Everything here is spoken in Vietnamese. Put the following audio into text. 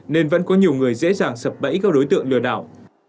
nên vẫn có nhiều người dễ dàng sập bẫy các đối tượng lừa đảo